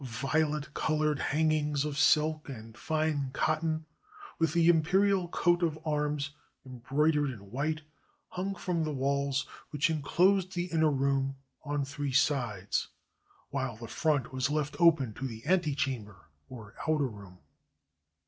Violet colored hangings of silk and fine cotton, with the imperial coat of arms embroidered in white, hung from the walls which inclosed the iimer room, on three sides, while the front was left open to the antechamber or outer room.